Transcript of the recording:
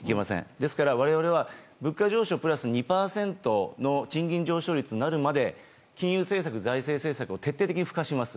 ですから我々は物価上昇プラス２％の賃金上昇率になるまで金融政策、財政政策を徹底的に付加します。